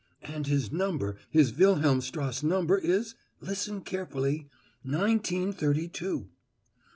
"And his number his Wilhelmstrasse number is listen carefully: Nineteen Thirty two."